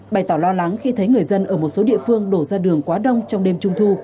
bày tỏ lo lắng khi thấy người dân ở một số địa phương đổ ra đường quá đông trong đêm trung thu